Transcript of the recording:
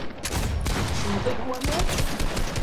Semmeḍ-it waman?